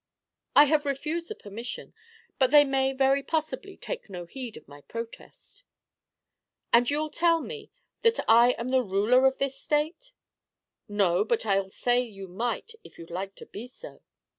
"I have refused the permission; but they may very possibly take no heed of my protest." "And you 'll tell me that I am the ruler of this state?" "No, but I 'll say you might, if you liked to be so."